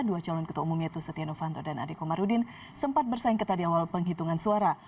dua calon ketua umum yaitu setia novanto dan adekomarudin sempat bersaing ketat di awal penghitungan suara